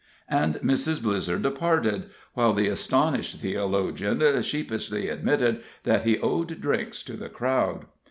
And Mrs. Blizzer departed, while the astonished theologian sheepishly admitted that he owed drinks to the crowd.